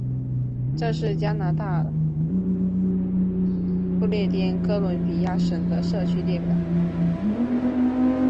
这是加拿大不列颠哥伦比亚省的社区列表。